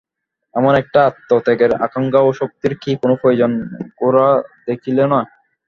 এমন একটা আত্মত্যাগের আকাঙক্ষা ও শক্তির কি কোনো প্রয়োজন গোরা দেখিল না?